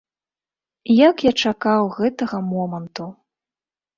Як я чакаў гэтага моманту!